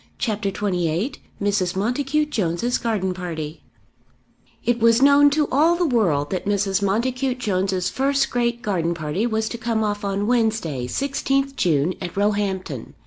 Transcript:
CHAPTER XXVIII Mrs. Montacute Jones's Garden Party It was known to all the world that Mrs. Montacute Jones's first great garden party was to come off on Wednesday, 16th June, at Roehampton.